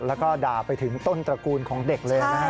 แล้วก็ด่าไปถึงต้นตระกูลของเด็กเลยนะฮะ